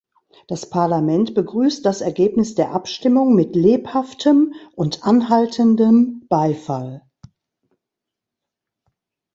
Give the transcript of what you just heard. Das Parlament begrüßt das Ergebnis der Abstimmung mit lebhaftem und anhaltendem Beifall.